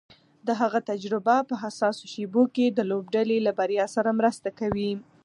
د هغه تجربه په حساسو شېبو کې د لوبډلې له بریا سره مرسته کوي.